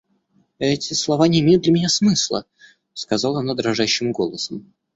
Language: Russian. Эти слова не имеют для меня смысла, — сказала она дрожащим голосом.